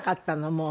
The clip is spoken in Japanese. もう。